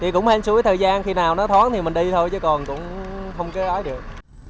thì cũng hên suối thời gian khi nào nó thoáng thì mình đi thôi chứ còn cũng không kế ái được